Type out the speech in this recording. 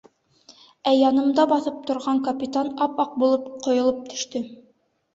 Ә янымда баҫып торған капитан ап-аҡ булып ҡойолоп төштө.